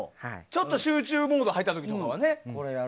ちょっと集中モード入った時とかはね。